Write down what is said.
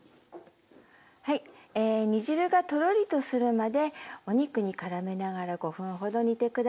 煮汁がとろりとするまでお肉にからめながら５分ほど煮て下さい。